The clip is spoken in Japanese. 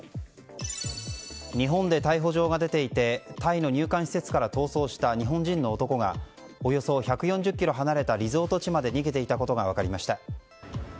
日本で逮捕状が出ていてタイの入管施設から逃走した日本人の男がおよそ１４０ｋｍ離れたリゾート地まで逃げていたことが分かりました。